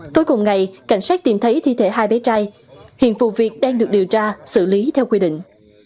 tối cùng ngày cảnh sát tìm thấy thi thể hai bé trai hiện vụ việc đang được điều tra xử lý theo quy định